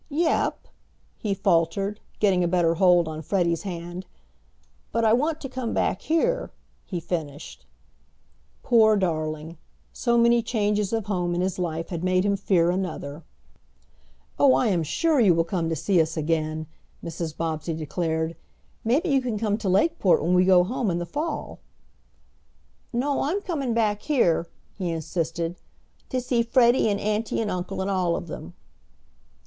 "Yep," he faltered, getting a better hold on Freddie's hand, "but I want to come back here," he finished. Poor darling! So many changes of home in his life had made him fear another. "Oh, I am sure you will come to see us again," Mrs. Bobbsey declared. "Maybe you can come to Lakeport when we go home in the fall." "No, I'm comin' back here," he insisted, "to see Freddie, and auntie, and uncle, and all of them."